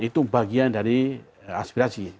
itu bagian dari aspirasi